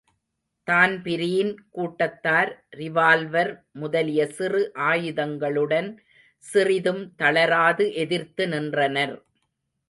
Dan Breen கூட்டத்தார் revolver முதலிய சிறு ஆயுதங்களுடன் சிறிதும் தளராது எதிர்த்து நின்றனர்.